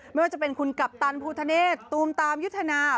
ไม่ว่าจะเป็นคุณกัปตันภูทะเนศตูมตามยุทธนา